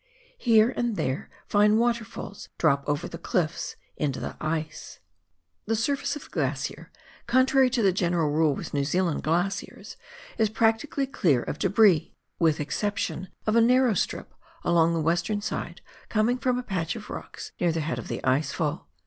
Here and there fine waterfalls drop over the cliffs into the ice. The surface of the glacier, contrary to the general rule with New Zealand glaciers, is practically clear of debris, with excep 54 PIONEER WORK IN THE ALPS OF NEW ZEALAND. tion of a narrow strip along the western side coming from a patch of rocks near the head of the ice fall.